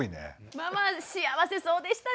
ママ幸せそうでしたね